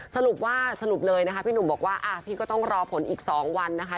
สรุปว่าสรุปเลยนะคะพี่หนุ่มบอกว่าพี่ก็ต้องรอผลอีก๒วันนะคะ